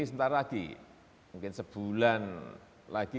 sebentar lagi mungkin sebulan lagi